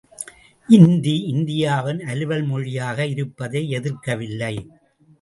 இந்தி, இந்தியாவின் அலுவல் மொழியாக இருப்பதை எதிர்க்கவில்லை.